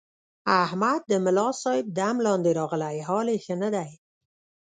احمد د ملاصاحب دم لاندې راغلی، حال یې ښه نه دی.